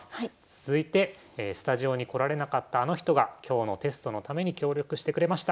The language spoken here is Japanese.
続いてスタジオに来られなかったあの人が今日のテストのために協力してくれました。